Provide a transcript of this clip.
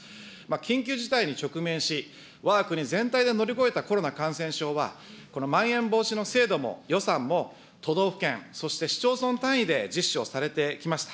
緊急事態に直面し、わが国全体で乗り越えたコロナ感染症は、まん延防止の制度も予算も都道府県、そして市町村単位で実施をされてきました。